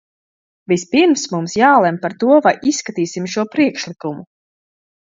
Vispirms mums jālemj par to, vai izskatīsim šo priekšlikumu.